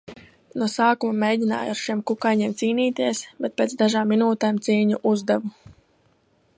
No sākuma mēģināju ar šiem kukaiņiem cīnīties, bet pēc dažām minūtēm cīņu uzdevu.